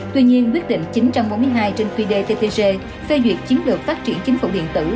tuy nhiên quyết định chín trăm bốn mươi hai trên quy đề ttc phê duyệt chiến lược phát triển chính phủ điện tử